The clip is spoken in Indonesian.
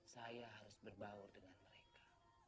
saya harus berbaur dengan mereka